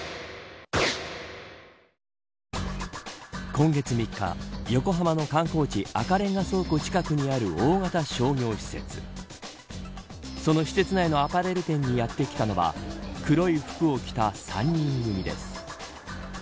今月３日、横浜の観光地赤レンガ倉庫近くにある大型商業施設その施設内のアパレル店にやってきたのは黒い服を着た３人組です。